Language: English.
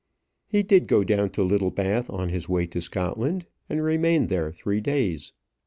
He did go down to Littlebath on his way to Scotland, and remained there three days.